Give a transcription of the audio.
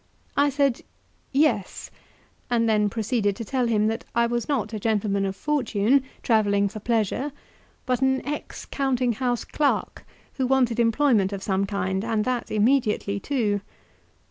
I said, "Yes," and then proceeded to tell him that I was not a gentleman of fortune, travelling for pleasure, but an ex counting house clerk, who wanted employment of some kind, and that immediately too.